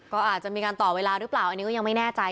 ก็อาจจะมีการต่อเวลาหรือเปล่าอันนี้ก็ยังไม่แน่ใจ